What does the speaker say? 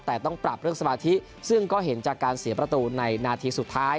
แต่ต้องปรับเรื่องสมาธิซึ่งก็เห็นจากการเสียประตูในนาทีสุดท้าย